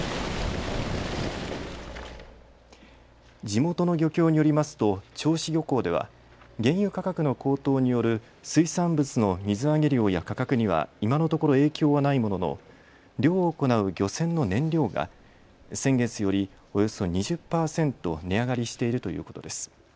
地元の漁協によりますと銚子漁港では原油価格の高騰による水産物の水揚げ量や価格には今のところ影響はないものの漁を行う漁船の燃料が先月より、およそ２０％値上がりしているということです。